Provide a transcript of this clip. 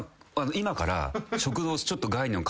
今から。